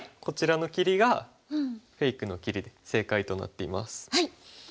こちらの切りがフェイクの切りで正解となっています。